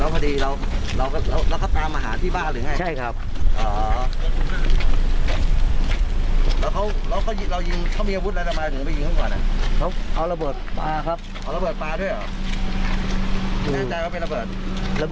พี่เหมือนตอนนี้ไม่ออกไปงานได้เลยครับ